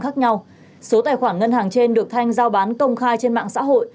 khác nhau số tài khoản ngân hàng trên được thanh giao bán công khai trên mạng xã hội